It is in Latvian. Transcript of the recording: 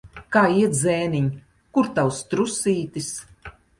Kā iet, zēniņ? Kur tavs trusītis?